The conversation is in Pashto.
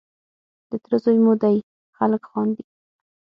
د تره زوی مو دی خلک خاندي.